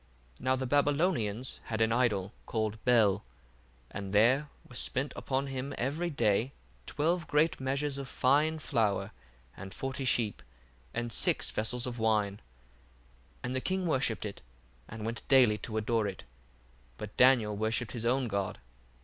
1:3 Now the Babylons had an idol, called Bel, and there were spent upon him every day twelve great measures of fine flour, and forty sheep, and six vessels of wine. 1:4 And the king worshipped it and went daily to adore it: but Daniel worshipped his own God.